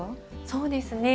そうですね